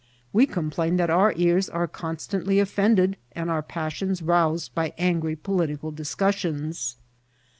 We c<Nnplain that our ears are constantly oflfended and our passions reus ed by angry political discussions.